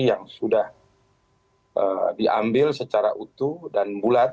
yang sudah diambil secara utuh dan bulat